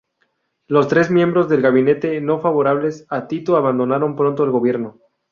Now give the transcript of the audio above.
Los tres miembros del gabinete no favorables a Tito abandonaron pronto el gobierno.